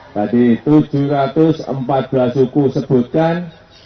tadi tujuh ratus empat belas suku sebutkan